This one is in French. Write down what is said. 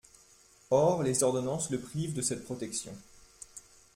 Or les ordonnances le privent de cette protection.